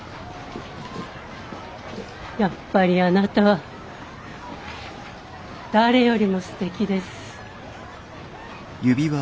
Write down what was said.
やっぱりあなたは誰よりもすてきです。